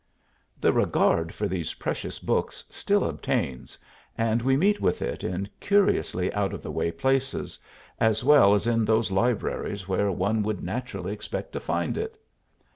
The regard for these precious books still obtains, and we meet with it in curiously out of the way places, as well as in those libraries where one would naturally expect to find it.